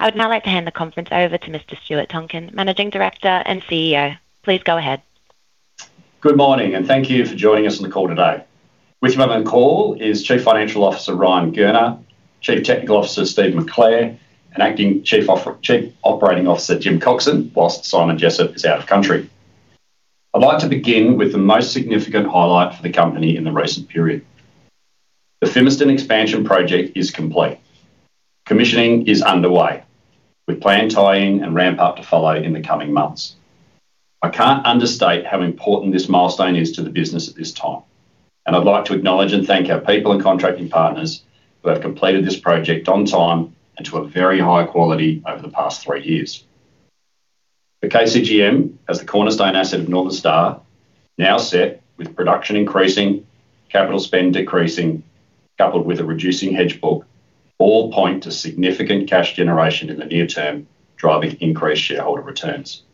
I would now like to hand the conference over to Mr. Stuart Tonkin, Managing Director and CEO. Please go ahead. Good morning, thank you for joining us on the call today. With me on the call is Chief Financial Officer Ryan Gurner, Chief Technical Officer Steve McClare, and Acting Chief Operating Officer Jim Coxon, whilst Simon Jessop is out of country. I'd like to begin with the most significant highlight for the company in the recent period. The Fimiston Expansion project is complete. Commissioning is underway, with planned tie-in and ramp up to follow in the coming months. I can't understate how important this milestone is to the business at this time, and I'd like to acknowledge and thank our people and contracting partners who have completed this project on time and to a very high quality over the past three years. The KCGM, as the cornerstone asset of Northern Star, now set with production increasing, capital spend decreasing, coupled with a reducing hedge book, all point to significant cash generation in the near term, driving increased shareholder returns.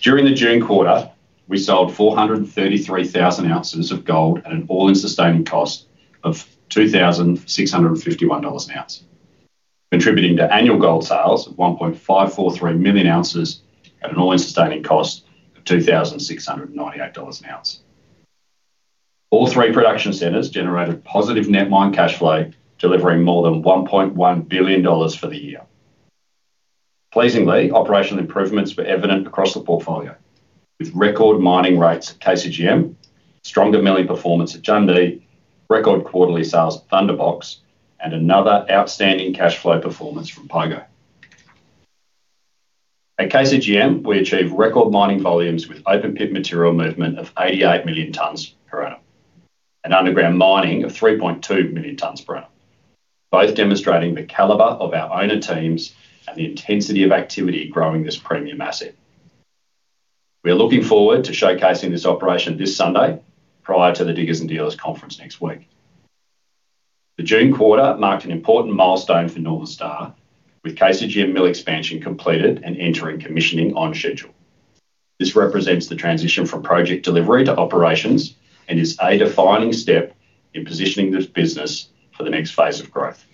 During the June quarter, we sold 433,000 oz of gold at an all-in sustaining cost of 2,651 dollars an ounce, contributing to annual gold sales of 1.543 million ounces at an all-in sustaining cost of 2,698 dollars an ounce. All three production centers generated positive net mine cash flow, delivering more than 1.1 billion dollars for the year. Pleasingly, operational improvements were evident across the portfolio, with record mining rates at KCGM, stronger milling performance at Jundee, record quarterly sales at Thunderbox, and another outstanding cash flow performance from Pogo. At KCGM, we achieved record mining volumes with open pit material movement of 88 million tonnes per annum and underground mining of 3.2 million tonnes per annum, both demonstrating the caliber of our owner teams and the intensity of activity growing this premium asset. We are looking forward to showcasing this operation this Sunday prior to the Diggers and Dealers conference next week. The June quarter marked an important milestone for Northern Star, with KCGM mill expansion completed and entering commissioning on schedule. This represents the transition from project delivery to operations and is a defining step in positioning this business for the next phase of growth.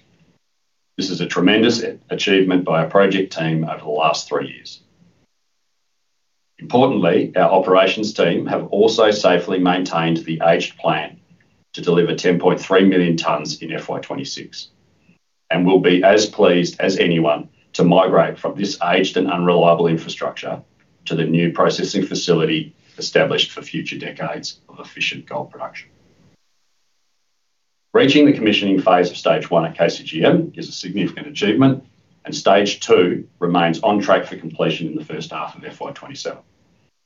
This is a tremendous achievement by our project team over the last three years. Importantly, our operations team have also safely maintained the aged plan to deliver 10.3 million tonnes in FY 2026 and will be as pleased as anyone to migrate from this aged and unreliable infrastructure to the new processing facility established for future decades of efficient gold production. Reaching the commissioning phase of stage 1 at KCGM is a significant achievement, and stage 2 remains on track for completion in the first half of FY 2027,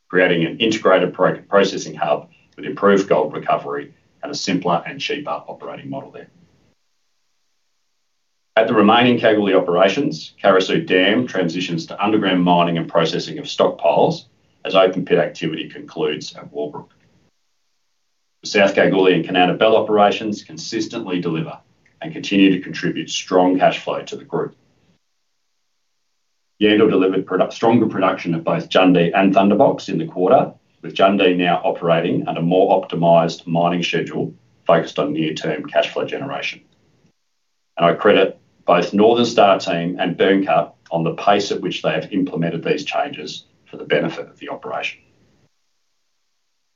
creating an integrated processing hub with improved gold recovery and a simpler and cheaper operating model there. At the remaining Kalgoorlie operations, Carosue Dam transitions to underground mining and processing of stockpiles as open pit activity concludes at Wallbrook. The South Kalgoorlie and Kanowna Belle operations consistently deliver and continue to contribute strong cash flow to the group. Yandal delivered stronger production at both Jundee and Thunderbox in the quarter, with Jundee now operating under a more optimized mining schedule focused on near-term cash flow generation. I credit both Northern Star team and Barminco on the pace at which they have implemented these changes for the benefit of the operation.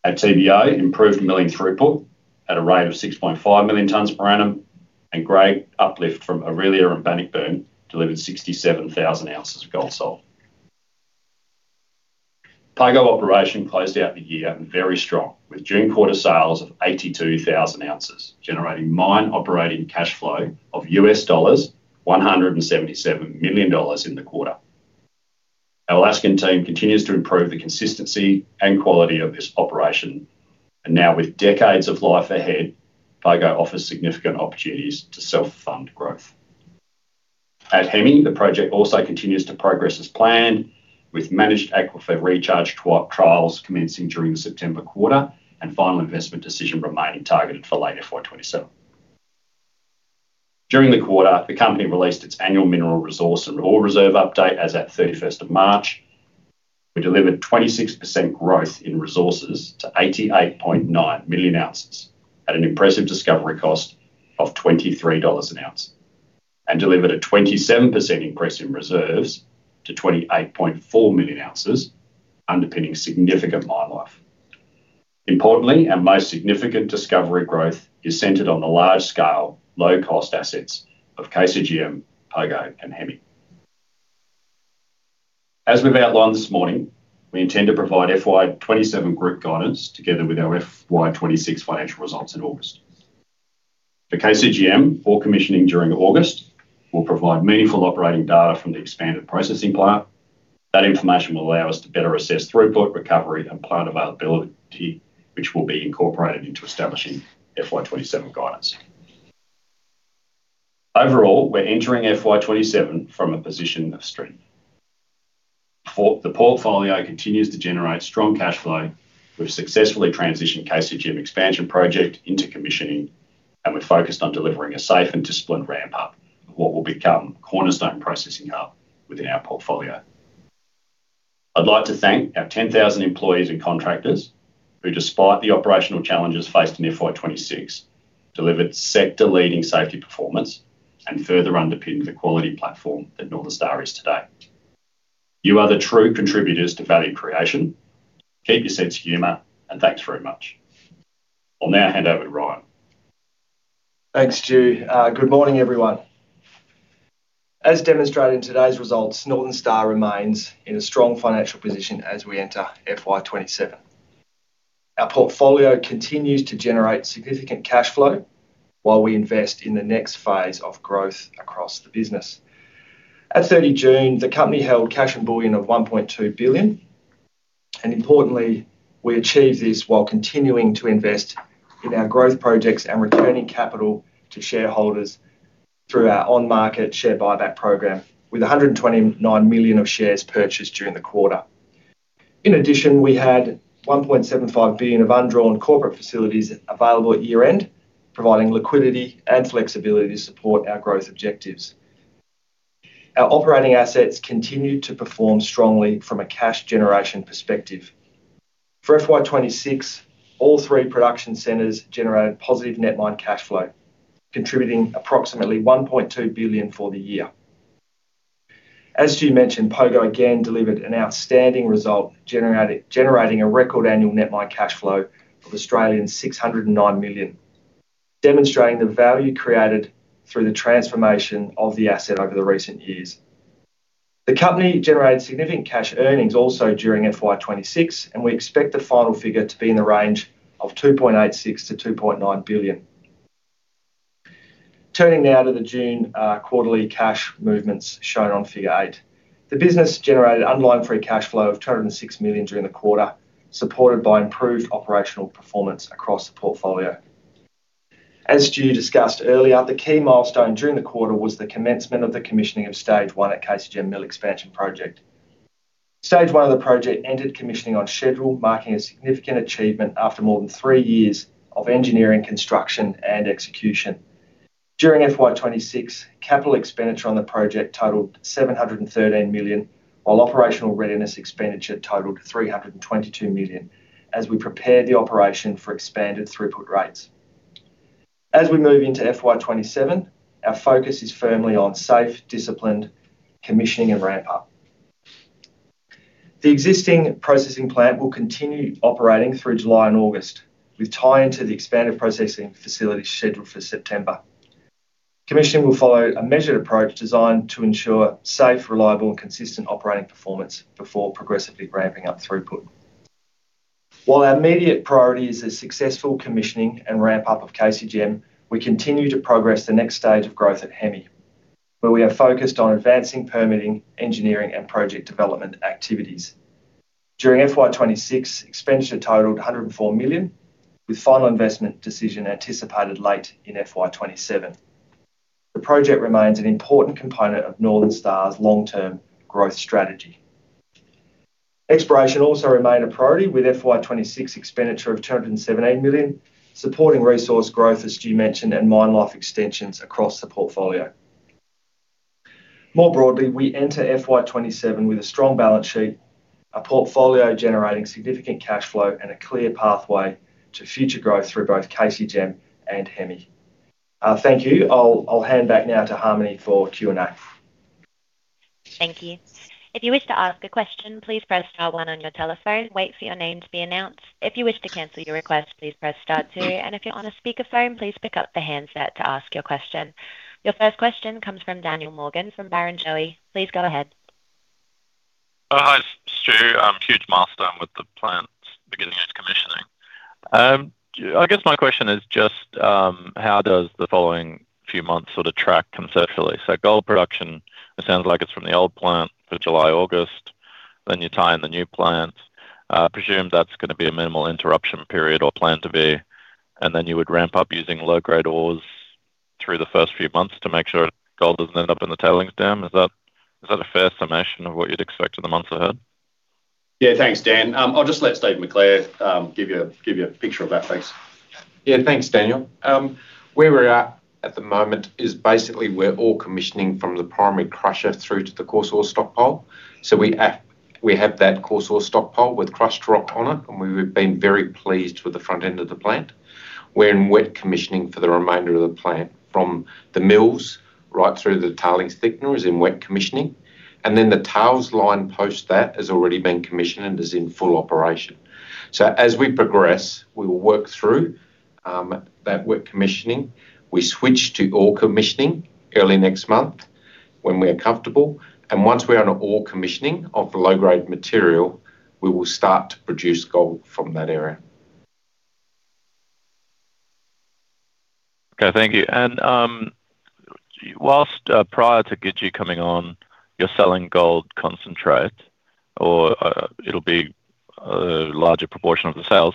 At Thunderbox, improved milling throughput at a rate of 6.5 million tonnes per annum and great uplift from Orelia and Bannockburn delivered 67,000 oz of gold sold. Pogo operation closed out the year very strong, with June quarter sales of 82,000 oz, generating mine operating cash flow of $177 million in the quarter. Our Alaskan team continues to improve the consistency and quality of this operation. Now with decades of life ahead, Pogo offers significant opportunities to self-fund growth. At Hemi, the project also continues to progress as planned, with managed aquifer recharge trials commencing during the September quarter and final investment decision remaining targeted for late FY 2027. During the quarter, the company released its annual mineral resource and ore reserve update as at 31st of March. We delivered 26% growth in resources to 88.9 million ounces at an impressive discovery cost of 23 dollars an ounce, and delivered a 27% increase in reserves to 28.4 million ounces, underpinning significant mine life. Importantly, our most significant discovery growth is centered on the large scale, low-cost assets of KCGM, Pogo and Hemi. We've outlined this morning, we intend to provide FY 2027 group guidance together with our FY 2026 financial results in August. The KCGM ore commissioning during August will provide meaningful operating data from the expanded processing plant. That information will allow us to better assess throughput, recovery, and plant availability, which will be incorporated into establishing FY 2027 guidance. We're entering FY 2027 from a position of strength. The portfolio continues to generate strong cash flow. We've successfully transitioned KCGM expansion project into commissioning, we're focused on delivering a safe and disciplined ramp-up of what will become cornerstone processing hub within our portfolio. I'd like to thank our 10,000 employees and contractors who, despite the operational challenges faced in FY 2026, delivered sector-leading safety performance and further underpinned the quality platform that Northern Star is today. You are the true contributors to value creation. Keep your sense of humor, and thanks very much. I'll now hand over to Ryan. Thanks, Stu. Good morning, everyone. As demonstrated in today's results, Northern Star remains in a strong financial position as we enter FY 2027. Our portfolio continues to generate significant cash flow while we invest in the next phase of growth across the business. At 30 June, the company held cash and bullion of 1.2 billion, and importantly, we achieved this while continuing to invest in our growth projects and returning capital to shareholders through our on-market share buyback program, with 129 million of shares purchased during the quarter. In addition, we had 1.75 billion of undrawn corporate facilities available at year-end, providing liquidity and flexibility to support our growth objectives. Our operating assets continued to perform strongly from a cash generation perspective. For FY 2026, all three production centers generated positive net mine cash flow, contributing approximately 1.2 billion for the year. As Stu mentioned, Pogo again delivered an outstanding result, generating a record annual net mine cash flow of 609 million, demonstrating the value created through the transformation of the asset over the recent years. The company generated significant cash earnings also during FY 2026, and we expect the final figure to be in the range of 2.86 billion to 2.9 billion. Turning now to the June quarterly cash movements shown on figure eight. The business generated underlying free cash flow of 206 million during the quarter, supported by improved operational performance across the portfolio. As Stu discussed earlier, the key milestone during the quarter was the commencement of the commissioning of stage 1 at KCGM Mill Expansion Project. Stage 1 of the project entered commissioning on schedule, marking a significant achievement after more than three years of engineering, construction, and execution. During FY 2026, capital expenditure on the project totaled 713 million, while operational readiness expenditure totaled 322 million, as we prepared the operation for expanded throughput rates. As we move into FY 2027, our focus is firmly on safe, disciplined commissioning and ramp up. The existing processing plant will continue operating through July and August, with tie-in to the expanded processing facilities scheduled for September. Commissioning will follow a measured approach designed to ensure safe, reliable, and consistent operating performance before progressively ramping up throughput. While our immediate priority is the successful commissioning and ramp-up of KCGM, we continue to progress the next stage of growth at Hemi, where we are focused on advancing permitting, engineering, and project development activities. During FY 2026, expenditure totaled AUD 104 million, with final investment decision anticipated late in FY 2027. The project remains an important component of Northern Star's long-term growth strategy. Exploration also remained a priority, with FY 2026 expenditure of 217 million, supporting resource growth, as Stu mentioned, and mine life extensions across the portfolio. More broadly, we enter FY 2027 with a strong balance sheet, a portfolio generating significant cash flow, and a clear pathway to future growth through both KCGM and Hemi. Thank you. I'll hand back now to Harmony for Q&A. Thank you. If you wish to ask a question, please press star one on your telephone, wait for your name to be announced. If you wish to cancel your request, please press star two, and if you're on a speakerphone, please pick up the handset to ask your question. Your first question comes from Daniel Morgan from Barrenjoey. Please go ahead. Hi, Stu. Huge milestone with the plant beginning its commissioning. I guess my question is just how does the following few months sort of track conceptually? Gold production, it sounds like it's from the old plant for July, August, then you tie in the new plant. I presume that's going to be a minimal interruption period or planned to be, and then you would ramp up using low-grade ores through the first few months to make sure gold doesn't end up in the tailings dam. Is that a fair summation of what you'd expect in the months ahead? Thanks, Dan. I'll just let Steve McClare give you a picture of that. Thanks. Thanks, Daniel. Where we're at at the moment is basically we're ore commissioning from the primary crusher through to the coarse ore stockpile. We have that coarse ore stockpile with crushed rock on it, we've been very pleased with the front end of the plant. We're in wet commissioning for the remainder of the plant, from the mills right through to the tailings thickener is in wet commissioning. The tails line post that has already been commissioned and is in full operation. As we progress, we will work through that wet commissioning. We switch to ore commissioning early next month when we are comfortable, once we are on ore commissioning of the low-grade material, we will start to produce gold from that area. Thank you. Whilst prior to Gidji coming on, you're selling gold concentrate or it will be a larger proportion of the sales.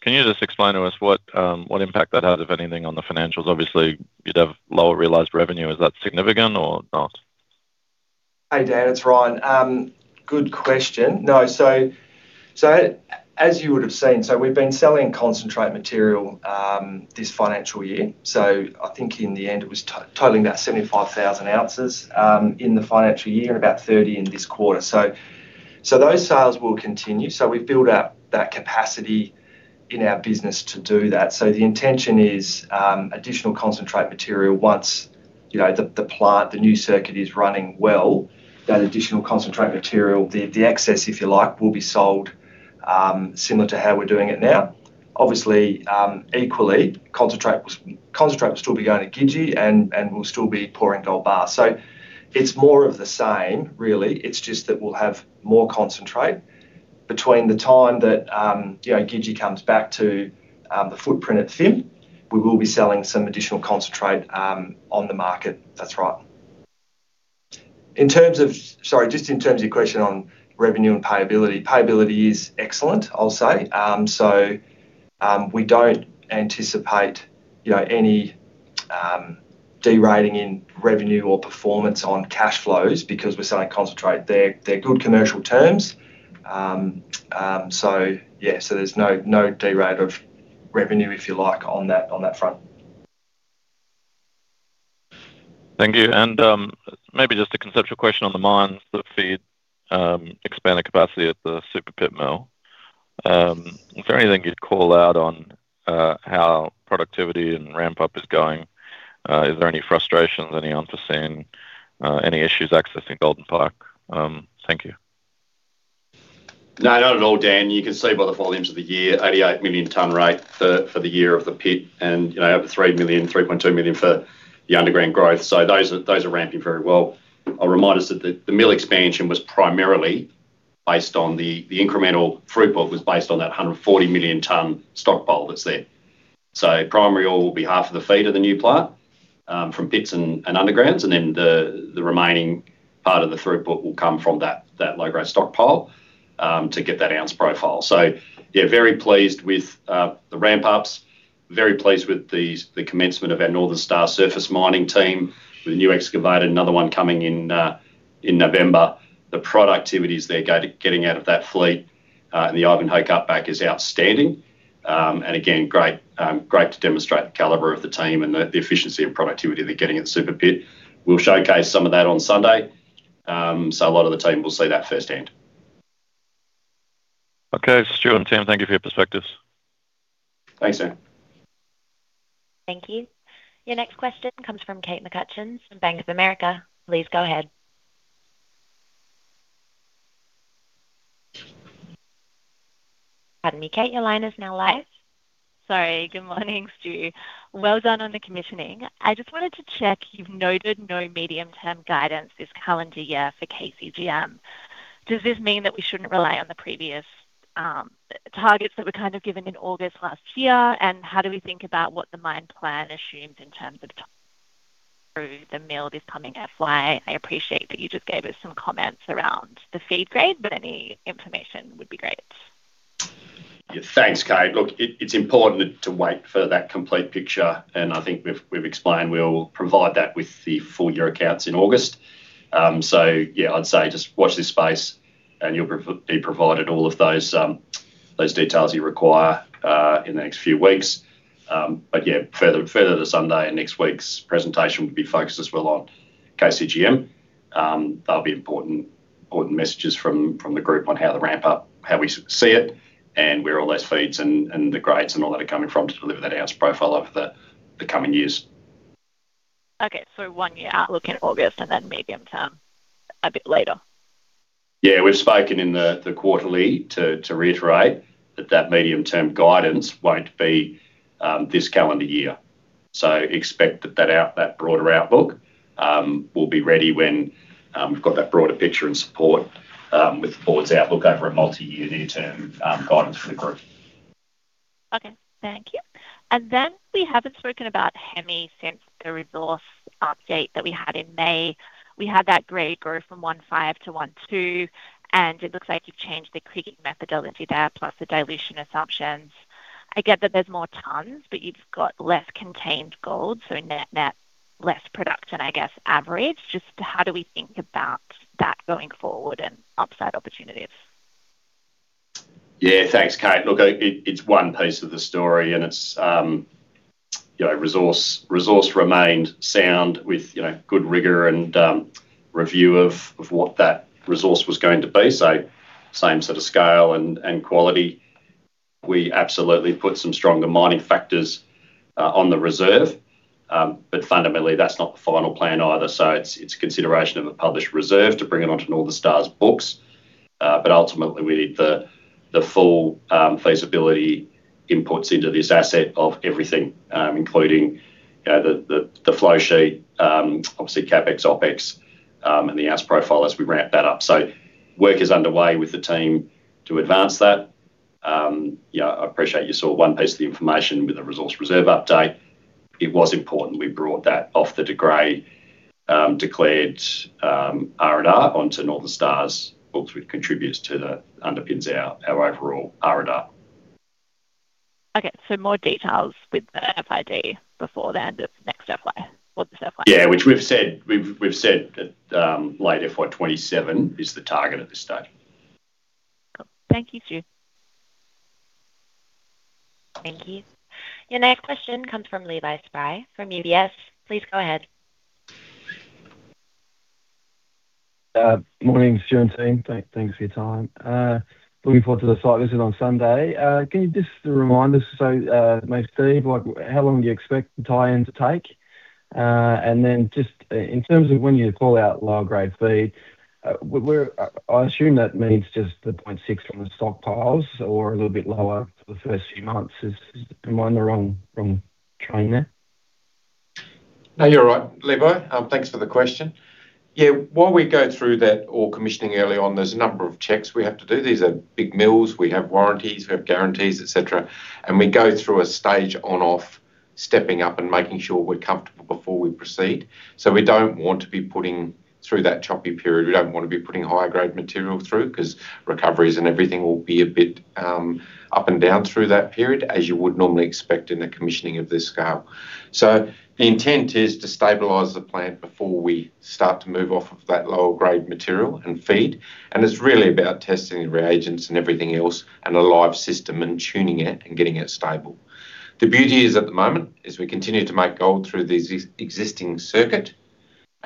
Can you just explain to us what impact that has, if anything, on the financials? Obviously, you would have lower realized revenue. Is that significant or not? Hey, Dan. It's Ryan. Good question. As you would have seen, we've been selling concentrate material this financial year. I think in the end it was totaling about 75,000 oz in the financial year and about 30 in this quarter. Those sales will continue. We've built out that capacity in our business to do that. The intention is additional concentrate material once the plant, the new circuit, is running well, that additional concentrate material, the excess, if you like, will be sold similar to how we're doing it now. Equally, concentrate will still be going to Gidji and we will still be pouring gold bars. It's more of the same really. It's just that we will have more concentrate between the time that Gidji comes back to the footprint at Fim. We will be selling some additional concentrate on the market. That's right. Just in terms of your question on revenue and payability. Payability is excellent, I will say. We don't anticipate any derating in revenue or performance on cash flows because we're selling concentrate. They are good commercial terms. There's no derate of revenue, if you like, on that front. Thank you. Maybe just a conceptual question on the mines that feed expanded capacity at the Super Pit mill. Is there anything you'd call out on how productivity and ramp-up is going? Is there any frustrations, any unforeseen issues accessing Golden Pike? Thank you. No, not at all, Dan. You can see by the volumes of the year, 88 million tonne rate for the year of the pit and over 3 million, 3.2 million for the underground growth. Those are ramping very well. I'll remind us that the mill expansion was primarily based on the incremental throughput was based on that 140 million tonne stockpile that's there. Primary ore will be half of the feed of the new plant from pits and undergrounds, and then the remaining part of the throughput will come from that low-grade stockpile to get that ounce profile. Yeah, very pleased with the ramp-ups. Very pleased with the commencement of our Northern Star surface mining team with a new excavator, another one coming in November. The productivities they're getting out of that fleet and the Ivanhoe cutback is outstanding. Again, great to demonstrate the caliber of the team and the efficiency and productivity they're getting at the Super Pit. We'll showcase some of that on Sunday, so a lot of the team will see that firsthand. Okay. Stuart and team, thank you for your perspectives. Thanks, Dan. Thank you. Your next question comes from Kate McCutcheon from Bank of America. Please go ahead. Pardon me, Kate, your line is now live. Sorry. Good morning, Stu. Well done on the commissioning. I just wanted to check, you've noted no medium-term guidance this calendar year for KCGM. Does this mean that we shouldn't rely on the previous targets that were given in August last year? How do we think about what the mine plan assumes in terms of through the mill this coming FY? I appreciate that you just gave us some comments around the feed grade, any information would be great. Yeah. Thanks, Kate. Look, it's important to wait for that complete picture, I think we've explained we'll provide that with the full year accounts in August. Yeah, I'd say just watch this space and you'll be provided all of those details you require in the next few weeks. Yeah, further to Sunday and next week's presentation will be focused as well on KCGM. They'll be important messages from the group on how the ramp up, how we see it, and where all those feeds and the grades and all that are coming from to deliver that ounce profile over the coming years. Okay. One-year outlook in August and then medium-term a bit later. Yeah. We've spoken in the quarterly to reiterate that that medium-term guidance won't be this calendar year. Expect that broader outlook will be ready when we've got that broader picture and support with the Board's outlook over a multi-year near-term guidance for the group. Okay. Thank you. We haven't spoken about Hemi since the resource update that we had in May. We had that grade grow from 1.5 g/t to 1.2 g/t, and it looks like you've changed the kriging methodology there, plus the dilution assumptions. I get that there's more tonnes, but you've got less contained gold, net less production, I guess, average. How do we think about that going forward and upside opportunities? Yeah. Thanks, Kate. It's one piece of the story, and resource remained sound with good rigor and review of what that resource was going to be. Same sort of scale and quality. We absolutely put some stronger mining factors on the reserve. Fundamentally, that's not the final plan either. It's a consideration of a published reserve to bring it onto Northern Star's books. Ultimately, we need the full feasibility inputs into this asset of everything, including the flow sheet, obviously CapEx, OpEx, and the ounce profile as we ramp that up. Work is underway with the team to advance that. I appreciate you saw one piece of the information with the resource reserve update. It was important we brought that off the De Grey declared R&R onto Northern Star's books, which underpins our overall R&R. Okay, more details with the FID before the end of next FY or this FY? Yeah, which we've said that late FY 2027 is the target at this stage. Cool. Thank you, Stu. Thank you. Your next question comes from Levi Spry from UBS. Please go ahead. Morning, Stu and team. Thanks for your time. Looking forward to the site visit on Sunday. Can you just remind us, so maybe Steve, how long do you expect the tie-in to take? Just in terms of when you call out lower grade feed, I assume that means just the 0.6 g/t from the stockpiles or a little bit lower for the first few months. Am I on the wrong train there? No, you're right, Levi. Thanks for the question. While we go through that ore commissioning early on, there's a number of checks we have to do. These are big mills. We have warranties, we have guarantees, et cetera, and we go through a stage on/off, stepping up and making sure we're comfortable before we proceed. We don't want to be putting through that choppy period. We don't want to be putting higher grade material through because recoveries and everything will be a bit up and down through that period, as you would normally expect in a commissioning of this scale. The intent is to stabilize the plant before we start to move off of that lower grade material and feed. It's really about testing reagents and everything else and a live system and tuning it and getting it stable. The beauty is, at the moment, is we continue to make gold through the existing circuit.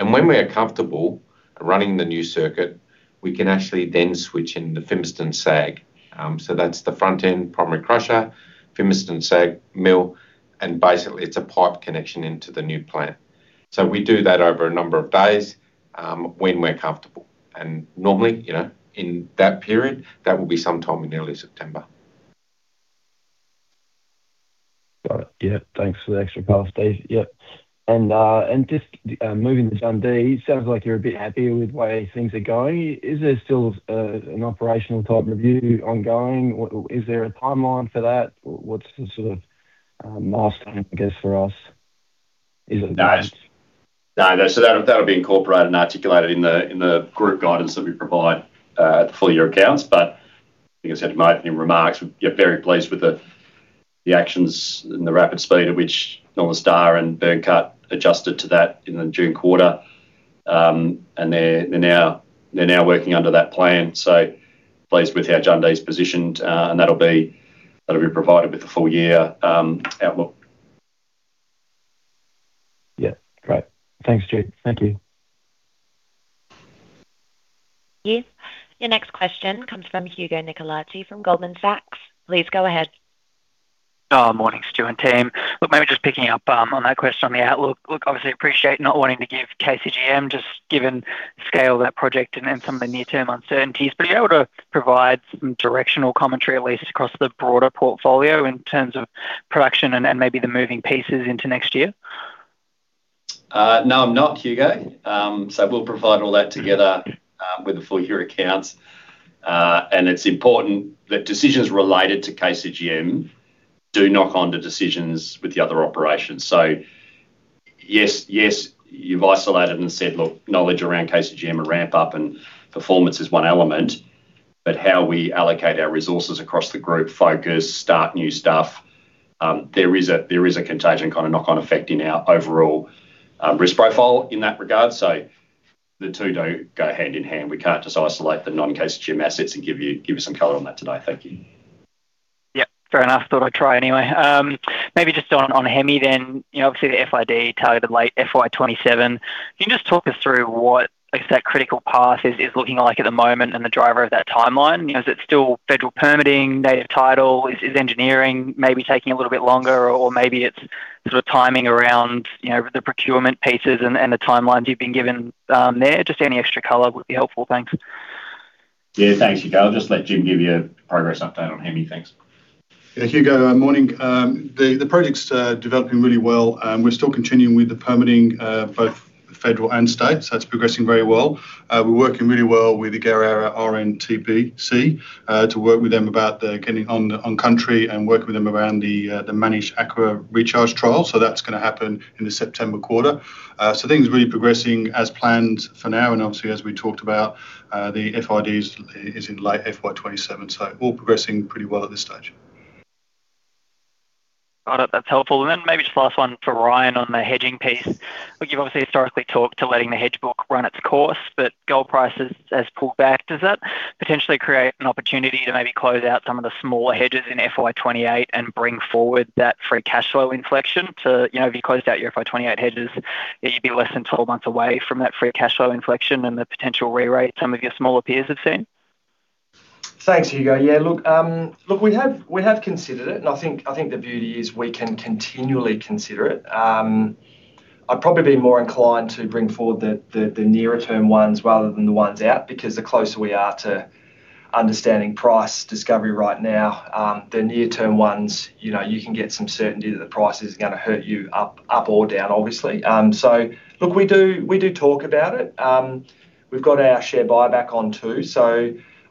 When we are comfortable running the new circuit, we can actually then switch in the Fimiston SAG. That's the front-end primary crusher, Fimiston SAG mill, and basically it's a pipe connection into the new plant. We do that over a number of days, when we're comfortable, and normally, in that period, that will be sometime in early September. Got it. Thanks for the extra color, Steve. Just moving to Jundee, sounds like you're a bit happier with the way things are going. Is there still an operational type review ongoing? Is there a timeline for that? What's the sort of milestone, I guess, for us? No. That would be incorporated and articulated in the group guidance that we provide at the full year accounts. I think as I made in remarks, we're very pleased with the actions and the rapid speed at which Northern Star and Barminco adjusted to that in the June quarter. They're now working under that plan, so pleased with how Jundee's positioned, and that'll be provided with the full year outlook. Yeah. Great. Thanks, Stu. Thank you. Yes. Your next question comes from Hugo Nicolaci from Goldman Sachs. Please go ahead. Oh, morning, Stu and team. Look, maybe just picking up on that question on the outlook. Look, obviously appreciate not wanting to give KCGM, just given scale of that project and some of the near-term uncertainties. Are you able to provide some directional commentary, at least, across the broader portfolio in terms of production and maybe the moving pieces into next year? No, I'm not, Hugo. We'll provide all that together with the full year accounts. It's important that decisions related to KCGM do knock on the decisions with the other operations. Yes, you've isolated and said, look, knowledge around KCGM and ramp up and performance is one element, but how we allocate our resources across the group, focus, start new stuff, there is a contagion kind of knock-on effect in our overall risk profile in that regard. The two do go hand in hand. We can't just isolate the non-KCGM assets and give you some color on that today. Thank you. Yep. Fair enough. Thought I'd try anyway. Maybe just on Hemi. Obviously the FID targeted late FY 2027. Can you just talk us through what that critical path is looking like at the moment and the driver of that timeline? Is it still federal permitting, native title? Is engineering maybe taking a little bit longer or maybe it's sort of timing around the procurement pieces and the timelines you've been given there? Any extra color would be helpful. Thanks. Thanks, Hugo. I'll just let Jim give you a progress update on Hemi. Thanks. Hugo, morning. The project's developing really well. We're still continuing with the permitting, both federal and state. That's progressing very well. We're working really well with the Kariyarra RNTBC to work with them about getting on country and working with them around the managed aquifer recharge trial. That's going to happen in the September quarter. Things are really progressing as planned for now, and obviously, as we talked about, the FID is in late FY 2027, all progressing pretty well at this stage. Got it. That's helpful. Maybe just last one for Ryan on the hedging piece. You've obviously historically talked to letting the hedge book run its course, but gold price has pulled back. Does that potentially create an opportunity to maybe close out some of the smaller hedges in FY 2028 and bring forward that free cash flow inflection? If you closed out your FY 2028 hedges, you'd be less than 12 months away from that free cash flow inflection and the potential rerate some of your smaller peers have seen. Thanks, Hugo. We have considered it, and I think the beauty is we can continually consider it. I'd probably be more inclined to bring forward the nearer term ones rather than the ones out, because the closer we are to understanding price discovery right now the near-term ones, you can get some certainty that the price isn't going to hurt you up or down, obviously. We do talk about it. We've got our share buyback on too.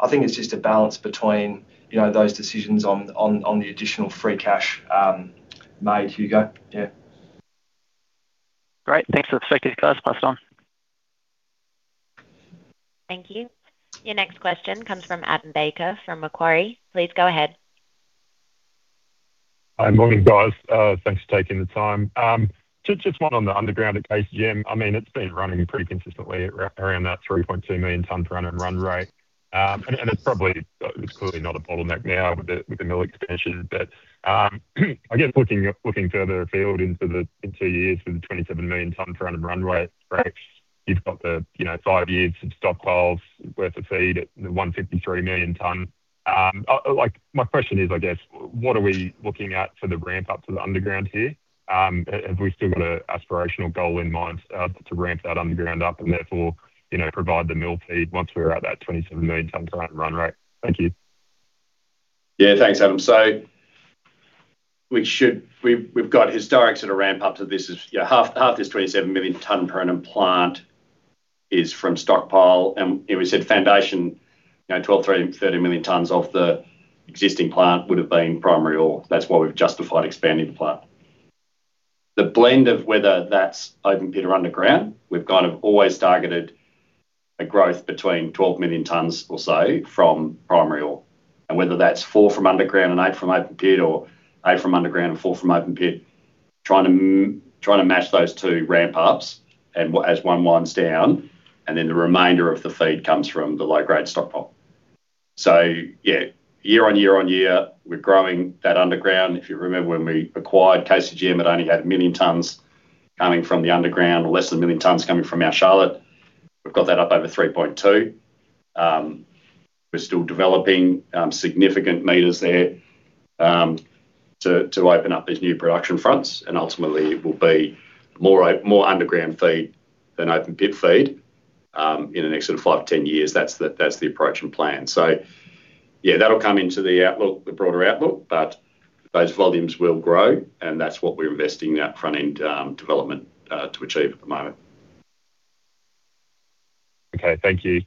I think it's just a balance between those decisions on the additional free cash made, Hugo. Yeah. Great. Thanks. Speak to you guys. Last one. Thank you. Your next question comes from Adam Baker from Macquarie. Please go ahead. Hi, morning, guys. Thanks for taking the time. Just one on the underground at KCGM. It's been running pretty consistently around that 3.2 million tonnes run and run rate. It's clearly not a bottleneck now with the mill expansion. I guess looking further field into the two years for the 27 million tonne run and run rate, you've got the five years of stockpiles worth of feed at the 153 million tonnes. My question is, I guess, what are we looking at for the ramp up to the underground here? Have we still got an aspirational goal in mind to ramp that underground up and therefore provide the mill feed once we're at that 27 million tonne run and run rate? Thank you. Yeah, thanks, Adam. We've got historics at a ramp up to this. Half this 27 million tonne per annum plant is from stockpile. We said foundation 12 million-13 million tonnes off the existing plant would've been primary ore. That's why we've justified expanding the plant. The blend of whether that's open pit or underground, we've kind of always targeted a growth between 12 million tonnes or so from primary ore. Whether that's four from underground and eight from open pit, or eight from underground and four from open pit, trying to match those two ramp ups as one winds down, and then the remainder of the feed comes from the low-grade stockpile. Yeah, year on year on year, we're growing that underground. If you remember when we acquired KCGM, it only had a million tonnes coming from the underground or less than a million tonnes coming from our Charlotte. We've got that up over 3.2 million. We're still developing significant meters there to open up these new production fronts. Ultimately, it will be more underground feed than open pit feed in the next sort of 5-10 years. That's the approach and plan. Yeah, that'll come into the broader outlook, but those volumes will grow, and that's what we're investing that front-end development to achieve at the moment. Okay. Thank you.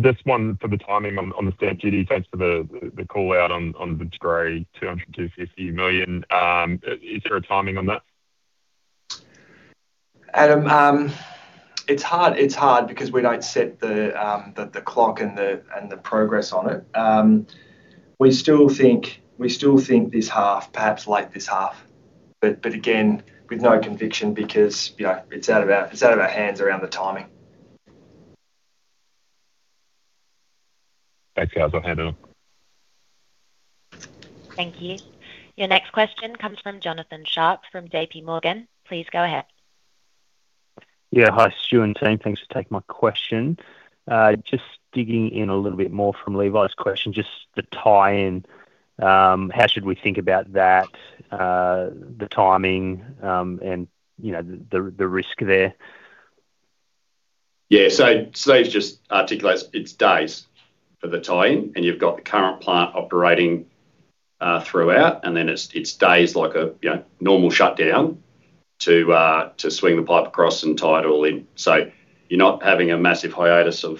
Just one for the timing on the stamp duty. Thanks for the call out on the De Grey 200 million, 250 million. Is there a timing on that? Adam, it's hard because we don't set the clock and the progress on it. We still think this half, perhaps late this half, but again, with no conviction because it's out of our hands around the timing. Thanks, guys. I'll hand over. Thank you. Your next question comes from Jonathan Sharp from JPMorgan. Please go ahead. Yeah. Hi, Stuart and team. Thanks for taking my question. Just digging in a little bit more from Levi's question, just the tie-in, how should we think about that, the timing, and the risk there? Yeah. Steve's just articulated it's days for the tie-in, and you've got the current plant operating throughout, and then it's days like a normal shutdown to swing the pipe across and tie it all in. You're not having a massive hiatus of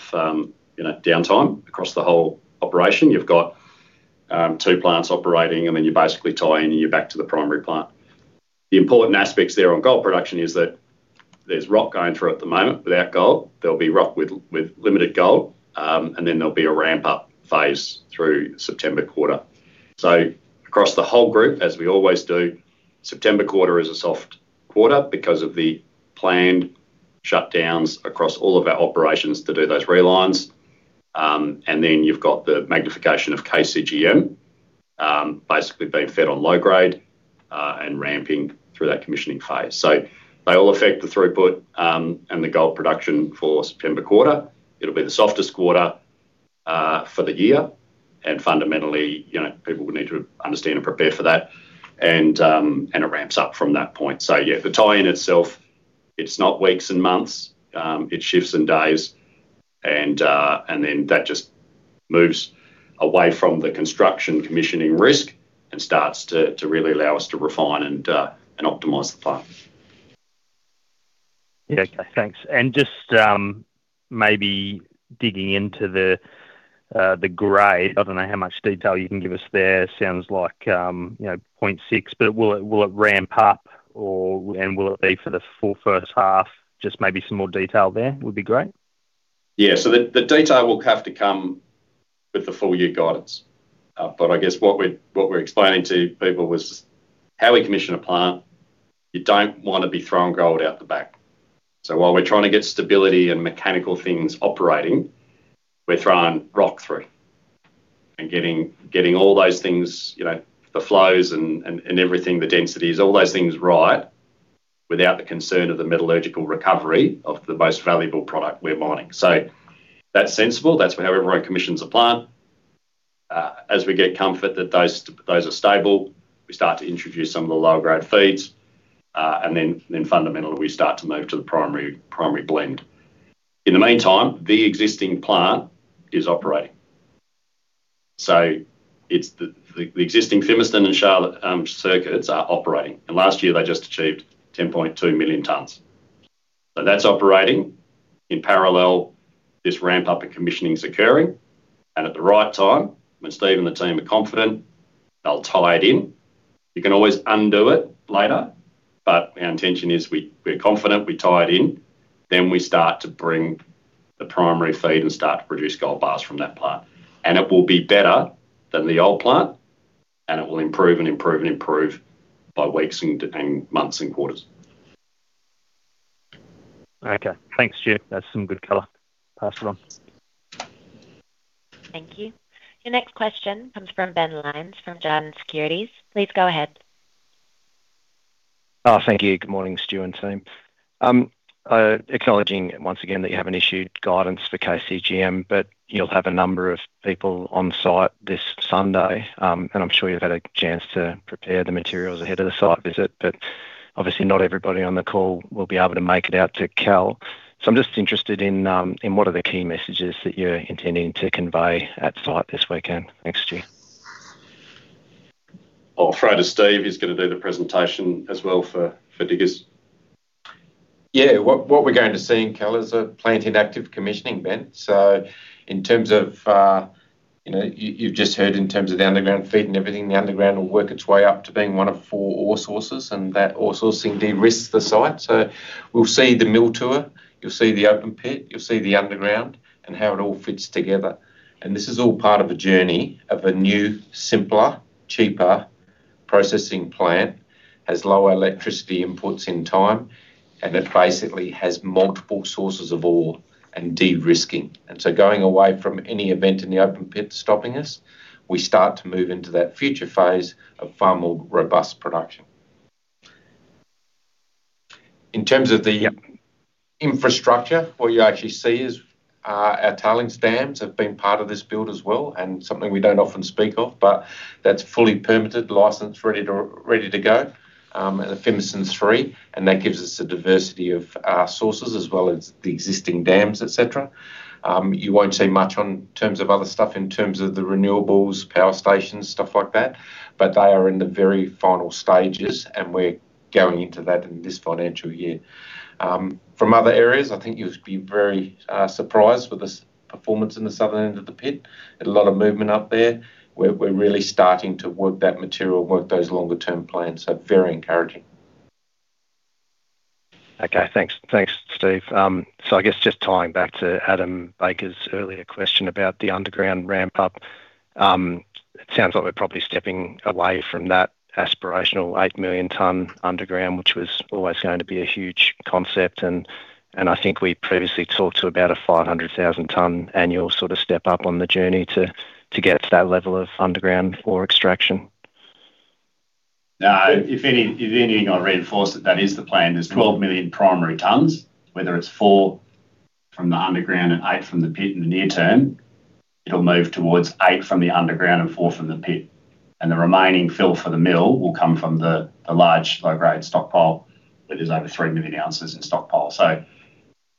downtime across the whole operation. You've got two plants operating, and then you're basically tie in and you're back to the primary plant. The important aspects there on gold production is that there's rock going through at the moment without gold. There'll be rock with limited gold, and then there'll be a ramp-up phase through September quarter. Across the whole group, as we always do, September quarter is a soft quarter because of the planned shutdowns across all of our operations to do those relines. Then you've got the magnification of KCGM, basically being fed on low grade, and ramping through that commissioning phase. They all affect the throughput, and the gold production for September quarter. It'll be the softest quarter for the year. Fundamentally, people would need to understand and prepare for that. It ramps up from that point. Yeah, the tie-in itself, it's not weeks and months, it shifts in days. Then that just moves away from the construction commissioning risk and starts to really allow us to refine and optimize the plant. Okay. Thanks. Just maybe digging into the grade. I don't know how much detail you can give us there. Sounds like 0.6 g/t. Will it ramp up or, will it be for the full first half? Just maybe some more detail there would be great. Yeah. The detail will have to come with the full year guidance. I guess what we're explaining to people was how we commission a plant. You don't want to be throwing gold out the back. While we're trying to get stability and mechanical things operating, we're throwing rock through and getting all those things, the flows and everything, the densities, all those things right without the concern of the metallurgical recovery of the most valuable product we're mining. That's sensible. That's how everyone commissions a plant. As we get comfort that those are stable, we start to introduce some of the lower-grade feeds. Then fundamentally, we start to move to the primary blend. In the meantime, the existing plant is operating. It's the existing Fimiston and Charlotte circuits are operating. Last year they just achieved 10.2 million tonnes. That's operating in parallel. This ramp up and commissioning's occurring. At the right time, when Steve and the team are confident, they'll tie it in. You can always undo it later, but our intention is we're confident, we tie it in, then we start to bring the primary feed and start to produce gold bars from that plant. It will be better than the old plant, and it will improve and improve and improve by weeks and months and quarters. Okay. Thanks, Jim. That's some good color. Pass it on. Thank you. Your next question comes from Ben Lyons from Jarden Securities. Please go ahead. Oh, thank you. Good morning, Stu and team. Acknowledging once again that you haven't issued guidance for KCGM, but you'll have a number of people on site this Sunday. I'm sure you've had a chance to prepare the materials ahead of the site visit, but obviously, not everybody on the call will be able to make it out to Kal. I'm just interested in what are the key messages that you're intending to convey at site this weekend. Thanks, Stu. I'll throw to Steve, he's going to do the presentation as well for Diggers. Yeah. What we're going to see in Kal is a plant in active commissioning, Ben. You've just heard in terms of the underground feed and everything, the underground will work its way up to being one of four ore sources, and that ore sourcing de-risks the site. We'll see the mill tour, you'll see the open pit, you'll see the underground, and how it all fits together. This is all part of a journey of a new, simpler, cheaper processing plant, has lower electricity inputs in time, and it basically has multiple sources of ore and de-risking. Going away from any event in the open pit stopping us, we start to move into that future phase of far more robust production. In terms of the infrastructure, what you actually see is our tailings dams have been part of this build as well, something we don't often speak of, that's fully permitted, licensed, ready to go, at Fimiston III, and that gives us a diversity of our sources as well as the existing dams, et cetera. You won't see much on terms of other stuff, in terms of the renewables, power stations, stuff like that, they are in the very final stages, we're going into that in this financial year. From other areas, I think you'd be very surprised with the performance in the southern end of the pit. Had a lot of movement up there. We're really starting to work that material, work those longer term plans, very encouraging. Okay. Thanks Steve. I guess just tying back to Adam Baker's earlier question about the underground ramp-up. It sounds like we're probably stepping away from that aspirational 8 million tonne underground, which was always going to be a huge concept, I think we previously talked to about a 500,000 tonne annual step-up on the journey to get to that level of underground ore extraction. No. If anything, I reinforce that that is the plan. There's 12 million primary tonnes, whether it's four from the underground and eight from the pit in the near term. It'll move towards eight from the underground and four from the pit. The remaining fill for the mill will come from the large low-grade stockpile that is over 3 million ounces in stockpile.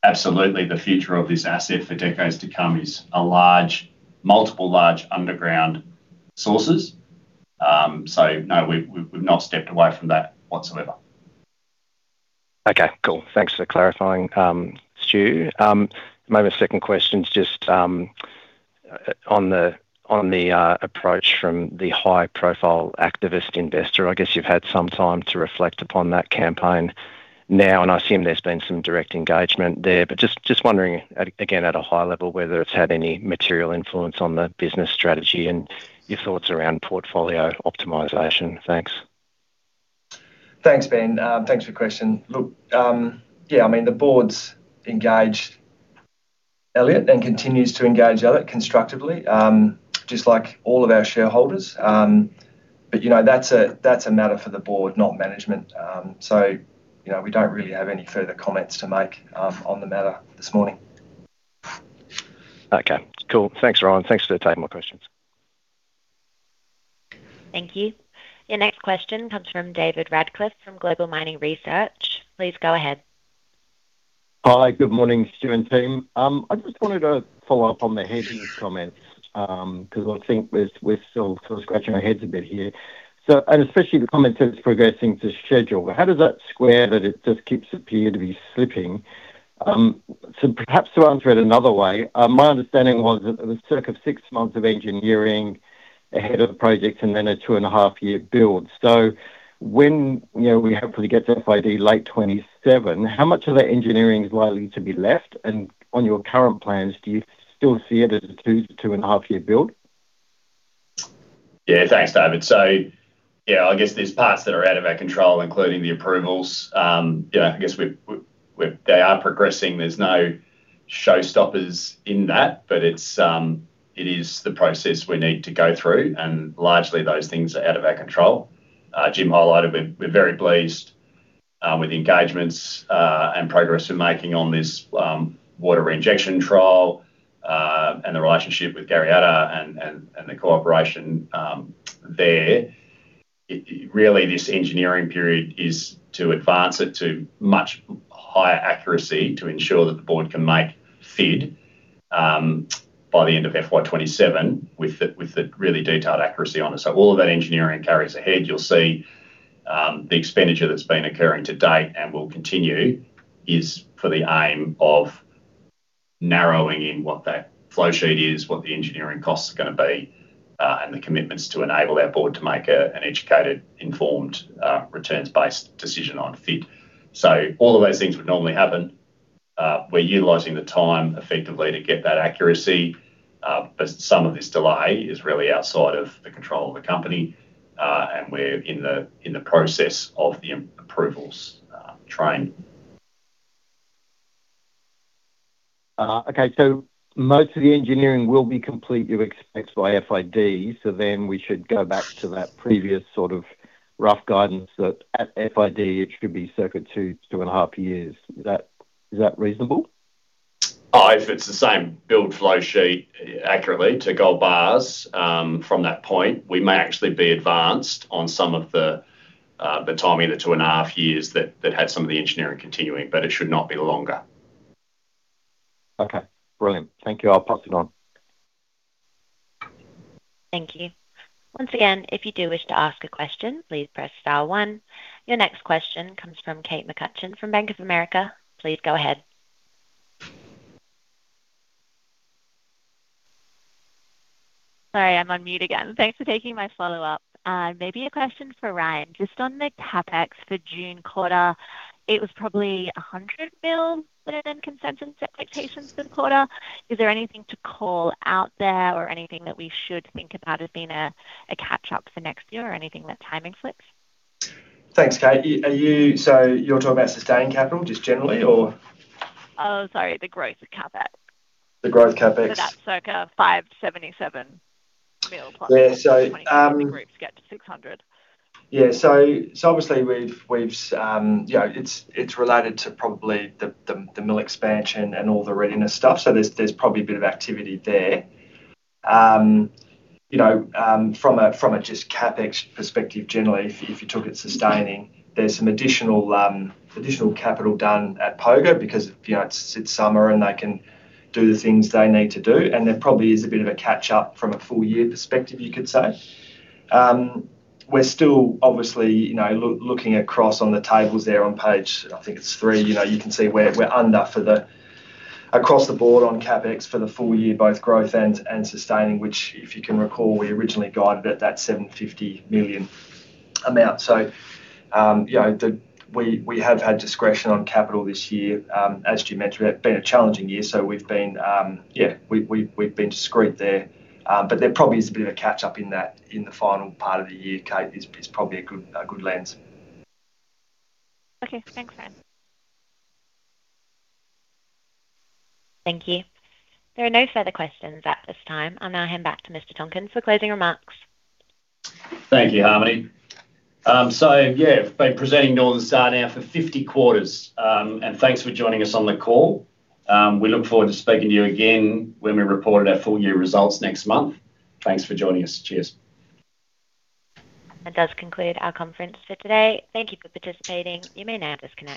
Absolutely the future of this asset for decades to come is multiple large underground sources. No, we've not stepped away from that whatsoever. Okay, cool. Thanks for clarifying, Stu. My second question's just on the approach from the high-profile activist investor. I guess you've had some time to reflect upon that campaign now, and I assume there's been some direct engagement there. Just wondering, again, at a high level, whether it's had any material influence on the business strategy and your thoughts around portfolio optimization. Thanks. Thanks, Ben. Thanks for your question. Look, yeah, the board's engaged Elliott and continues to engage Elliott constructively, just like all of our shareholders. That's a matter for the board, not management. We don't really have any further comments to make on the matter this morning. Okay. Cool. Thanks, Ryan. Thanks for taking my questions. Thank you. Your next question comes from David Radclyffe from Global Mining Research. Please go ahead. Hi. Good morning, Stu and team. I just wanted to follow up on the [Hemi] in your comments, I think we're still sort of scratching our heads a bit here. Especially the comment that it's progressing to schedule. How does that square that it just keeps appear to be slipping? Perhaps to answer it another way, my understanding was that there was circa six months of engineering ahead of the project and then a two-and-a-half year build. When we hopefully get to FID late 2027, how much of that engineering is likely to be left? On your current plans, do you still see it as a two-and-a-half year build? Thanks, David. I guess there's parts that are out of our control, including the approvals. I guess they are progressing. There's no showstoppers in that, but it is the process we need to go through, and largely those things are out of our control. Jim highlighted we're very pleased with the engagements and progress we're making on this water reinjection trial, and the relationship with Kariyarra and the cooperation there. Really, this engineering period is to advance it to much higher accuracy to ensure that the board can make FID, by the end of FY 2027, with the really detailed accuracy on it. All of that engineering carries ahead. You'll see the expenditure that's been occurring to date and will continue is for the aim of narrowing in what that flow sheet is, what the engineering costs are going to be, and the commitments to enable our board to make an educated, informed, returns-based decision on FID. All of those things would normally happen. We're utilizing the time effectively to get that accuracy, some of this delay is really outside of the control of the company, and we're in the process of the approvals train. Okay. Most of the engineering will be complete, you expect, by FID. We should go back to that previous rough guidance that at FID, it should be circa two and a half years. Is that reasonable? If it's the same build flow sheet accurately to gold bars from that point, we may actually be advanced on some of the timing, the two and a half years that had some of the engineering continuing, it should not be longer. Okay, brilliant. Thank you. I'll pass it on. Thank you. Once again, if you do wish to ask a question, please press star one. Your next question comes from Kate McCutcheon from Bank of America. Please go ahead. Sorry, I'm on mute again. Thanks for taking my follow-up. Maybe a question for Ryan just on the CapEx for June quarter. It was probably 100 million within consensus expectations for the quarter. Is there anything to call out there or anything that we should think about as being a catch-up for next year or anything with timing slips? Thanks, Kate. You're talking about sustaining capital just generally or? Sorry, the growth CapEx. The growth CapEx? That's circa 577 million. Yeah. The groups get to 600 million. Yeah. Obviously, it's related to probably the mill expansion and all the readiness stuff. There's probably a bit of activity there. From a just CapEx perspective generally, if you took it sustaining, there's some additional capital done at Pogo because it's summer and they can do the things they need to do. There probably is a bit of a catch-up from a full-year perspective, you could say. We're still obviously looking across on the tables there on page three. You can see we're under across the board on CapEx for the full year, both growth and sustaining. Which, if you can recall, we originally guided at that 750 million amount. We have had discretion on capital this year. As Jim mentioned, it's been a challenging year, so we've been discreet there. There probably is a bit of a catch-up in the final part of the year, Kate. It's probably a good lens. Okay. Thanks, Ryan. Thank you. There are no further questions at this time. I'll now hand back to Mr. Tonkin for closing remarks. Thank you, Harmony. Yeah, been presenting Northern Star now for 50 quarters. Thanks for joining us on the call. We look forward to speaking to you again when we've reported our full-year results next month. Thanks for joining us. Cheers. That does conclude our conference for today. Thank you for participating. You may now disconnect.